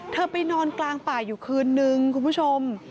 ไปนอนกลางป่าอยู่คืนนึงคุณผู้ชม